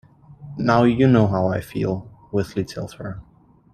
"Now you know how I feel," Wesley tells her.